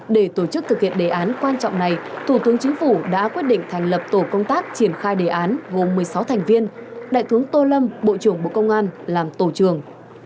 để tổ chức thực hiện đề án quan trọng này thủ tướng chính phủ đã quyết định thành lập tổ công tác triển khai đề án gồm một mươi sáu thành viên đại tướng tô lâm bộ trưởng bộ công an làm tổ trường